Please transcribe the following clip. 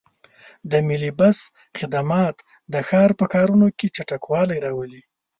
د ملي بس خدمات د ښار په کارونو کې چټکوالی راولي.